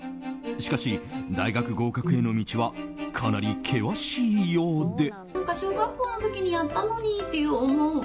しかし、大学合格への道はかなり険しいようで。